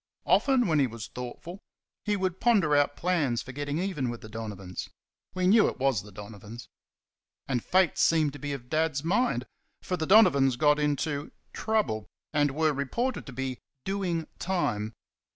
Often, when he was thoughtful, he would ponder out plans for getting even with the Donovans we knew it was the Donovans. And Fate seemed to be of Dad's mind; for the Donovans got into "trouble,", and were reported to be "doing time."